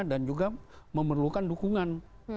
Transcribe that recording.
dan juga memerlukan dukungan